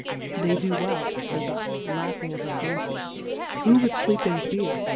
51 They do well, fays /, laughing at her Fancy, who would fleep in fear